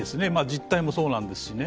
実態もそうなんですしね。